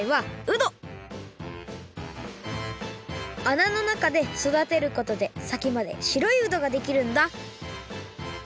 あなの中でそだてることで先までしろいうどができるんだ。